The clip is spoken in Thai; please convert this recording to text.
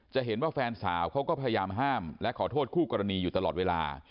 เห็นว่าแฟนสาวเขาก็พยายามห้ามและขอโทษคู่กรณีอยู่ตลอดเวลา